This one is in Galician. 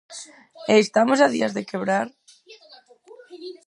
e estamos a días de quebrar".